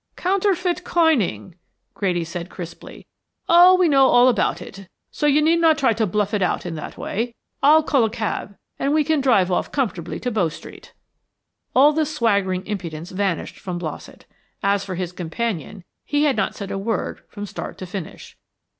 "Counterfeit coining," Grady said crisply. "Oh, we know all about it, so you need not try to bluff it out in that way. I'll call a cab, and we can drive off comfortably to Bow Street." All the swaggering impudence vanished from Blossett. As for his companion, he had not said a word from start to finish.